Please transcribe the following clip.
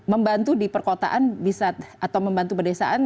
membantu di perkotaan bisa atau membantu pedesaan